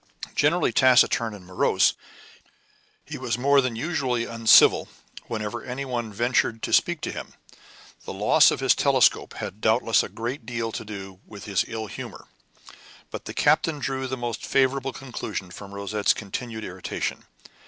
Generally taciturn and morose, he was more than usually uncivil whenever any one ventured to speak to him. The loss of his telescope had doubtless a great deal to do with his ill humor; but the captain drew the most favorable conclusions from Rosette's continued irritation.